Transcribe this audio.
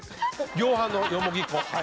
量販のよもぎ粉。